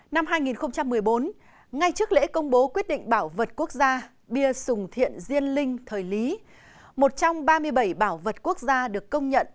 năm hai nghìn một mươi bốn ngay trước lễ công bố quyết định bảo vật quốc gia bia sùng thiện riêng linh thời lý một trong ba mươi bảy bảo vật quốc gia được công nhận